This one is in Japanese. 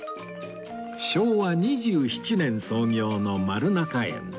昭和２７年創業の丸中園